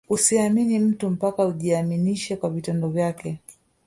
Usimuamini mtu mpaka ajiaminishe kwa vitendo vyake